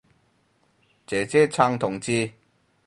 姐姐撐同志